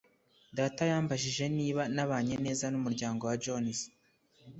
data yambajije niba nabanye neza n'umuryango wa jones